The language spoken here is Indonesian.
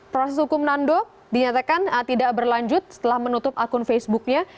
proses hukum nando dinyatakan tidak berlanjut setelah menutup akun facebooknya